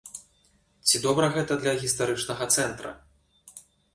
Ці добра гэта для гістарычнага цэнтра?